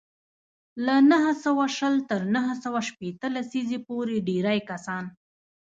له نهه سوه شل تر نهه سوه شپېته لسیزې پورې ډېری کسان